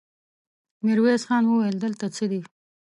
ميرويس خان وويل: دلته څه دي؟